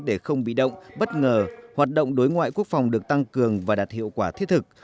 để không bị động bất ngờ hoạt động đối ngoại quốc phòng được tăng cường và đạt hiệu quả thiết thực